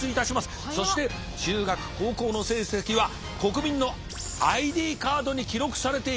そして中学・高校の成績は国民のＩＤカードに記録されていくという。